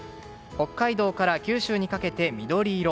北海道から九州にかけて緑色。